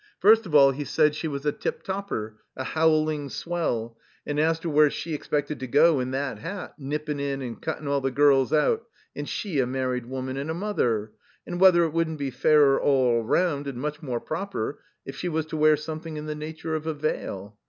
First of all he said she was a tip topper, a howling swell, and asked her where she expected to go to in that hat, nippin' in and cuttin' all the girls out, and she a married woman and a mother; and whether it wotddn't be fairer all around, and much more proper, if she was to wear some thing in the nature of a veil?